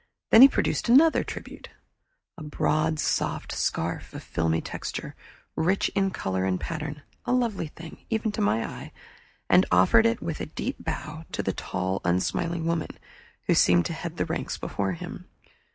Then he produced another tribute, a broad soft scarf of filmy texture, rich in color and pattern, a lovely thing, even to my eye, and offered it with a deep bow to the tall unsmiling woman who seemed to head the ranks before him.